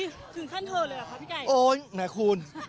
ถึงขั้นเธอเลยล่ะค่ะพี่ไก่